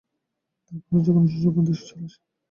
তারপরও যখনই সুযোগ পান, দেশে চলে আসেন।